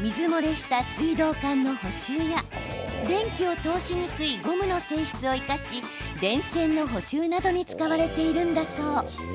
水漏れした水道管の補修や電気を通しにくいゴムの性質を生かし電線の補修などに使われているんだそう。